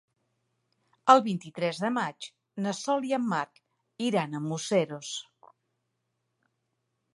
El vint-i-tres de maig na Sol i en Marc iran a Museros.